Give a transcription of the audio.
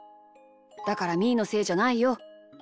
だからみーのせいじゃないよ。